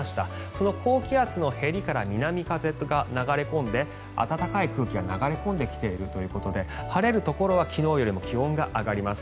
その高気圧のへりから南風が流れ込んで暖かい空気が流れ込んできているということで晴れるところは昨日よりも気温が上がります。